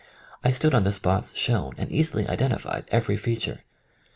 I stood on the spots shown and easily identified every feature.